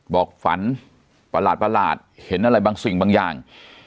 บอกฝันประหลาดเห็นอะไรบางสิ่งบางอย่าง